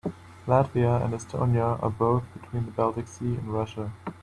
Latvia and Estonia are both between the Baltic Sea and Russia.